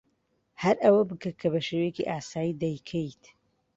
ھەر ئەوە بکە کە بە شێوەیەکی ئاسایی دەیکەیت.